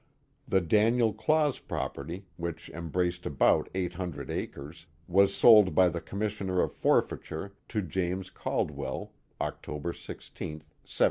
The Daniel Claus property, which embraced about eight hundred acres, was sold by the commissioner of forfeiture to James Caldwell, October 16, 1786.